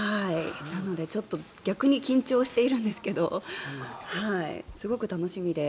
なのでちょっと逆に緊張しているんですけどすごく楽しみで。